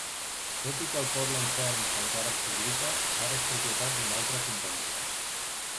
Tot i que el "Portland Phoenix" encara es publica, ara és propietat d'una altra companyia.